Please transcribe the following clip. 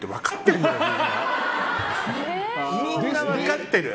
みんな分かってる。